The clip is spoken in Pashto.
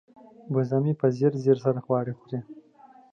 وزه مې په ځیر خواړه خوري.